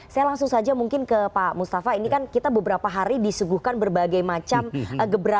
saya langsung saja mungkin ke pak mustafa ini kan kita beberapa hari disuguhkan berbagai macam gebrakan